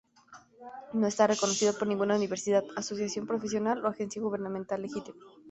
No está reconocido por ninguna universidad, asociación profesional o agencia gubernamental legítima.